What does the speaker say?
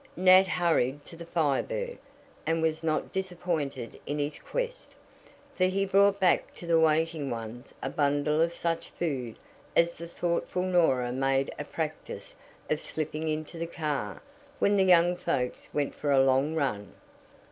Nat hurried to the Fire Bird, and was not disappointed in his quest, for he brought back to the waiting ones a bundle of such food as the thoughtful Norah made a practice of slipping into the car when the young folks went for a long run.